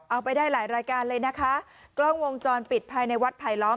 เอาไปได้หลายรายการเลยนะคะกล้องวงจรปิดภายในวัดไผลล้อม